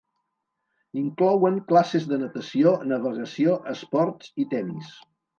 Inclouen classes de natació, navegació, esports i tennis.